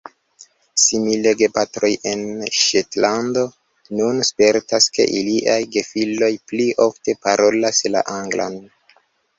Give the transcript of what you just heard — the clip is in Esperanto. Simile, gepatroj en Ŝetlando nun spertas, ke iliaj gefiloj pli ofte parolas la anglan.